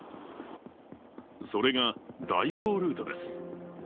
それが大広ルートです。